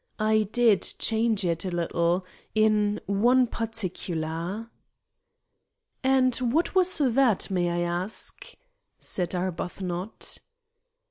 I did change it a little, in one particular." "And what was that, may I ask?" said Arbuthnot.